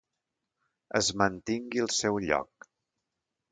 Es mantingui al seu lloc.